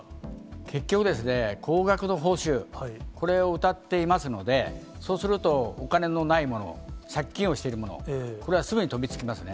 結局ですね、高額の報酬、これをうたっていますので、そうすると、お金のない者、借金をしている者、これはすぐに飛びつきますね。